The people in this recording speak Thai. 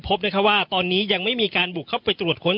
พบว่าตอนนี้ยังไม่มีการบุกเข้าไปตรวจค้น